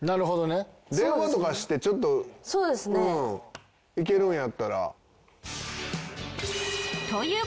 電話とかしてちょっといけるんやったら。